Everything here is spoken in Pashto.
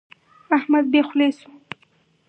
احمد بې خولې شو.